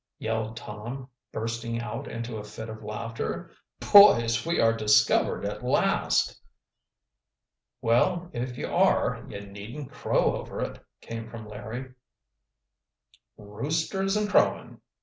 yelled Tom, bursting out into a fit of laughter. "Boys, we are discovered at last." "Well, if you are, you needn't crow over it," came from Larry. "Roosters and crowing!